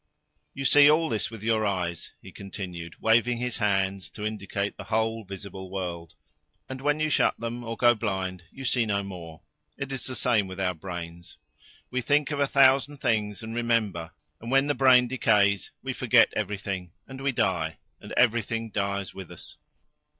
You see all this with your eyes," he continued, waving his hands to indicate the whole visible world. "And when you shut them or go blind you see no more. It is the same with our brains. We think of a thousand things and remember, and when the brain decays we forget everything, and we die, and everything dies with us.